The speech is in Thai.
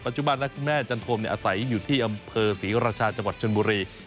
จุบันและคุณแม่จันทมอาศัยอยู่ที่อำเภอศรีราชาจังหวัดชนบุรี